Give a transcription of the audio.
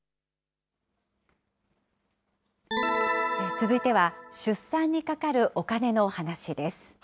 続いては、出産にかかるお金の話です。